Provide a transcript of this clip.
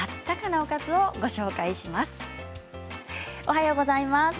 おはようございます。